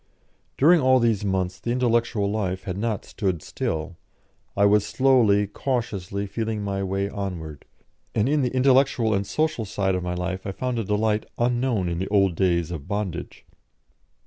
During all these months the intellectual life had not stood still; I was slowly, cautiously feeling my way onward. And in the intellectual and social side of my life I found a delight unknown in the old days of bondage.